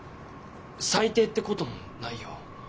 「最低」ってこともないよ。